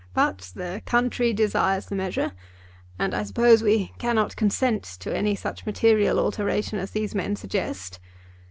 But the country desires the measure, and I suppose we cannot consent to any such material alteration as these men suggest."